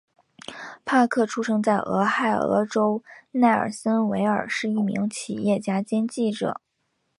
帕克出生在俄亥俄州奈尔森维尔是一名企业家兼记者。